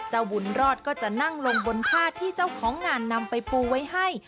บุญรอดก็จะนั่งลงบนผ้าที่เจ้าของงานนำไปปูไว้ให้